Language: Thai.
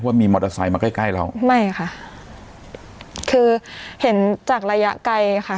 ว่ามีมอเตอร์ไซค์มาใกล้ใกล้เราไม่ค่ะคือเห็นจากระยะไกลค่ะ